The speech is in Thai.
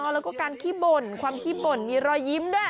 แล้วก็การขี้บ่นความขี้บ่นมีรอยยิ้มด้วย